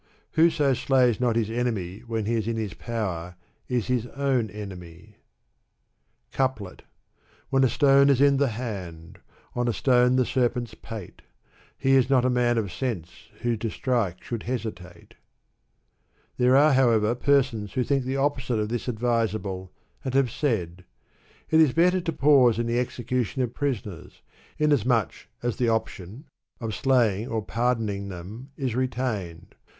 Whoso slays not his enemy when he Is in his power is his own enemy. When a stone is in the hand ; on a stone the serpent's pate; He is not a man of sense who to strike should hesitate* There arc, however, persons who think the opposite of this advisable, and have said, " It is better to pause in the execution of prisoners, inasmuch as the option [of slaying or pardoning them] is retained.